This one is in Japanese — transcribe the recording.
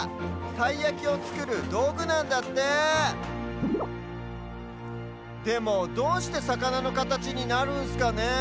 たいやきをつくるどうぐなんだってでもどうしてさかなのかたちになるんすかねえ。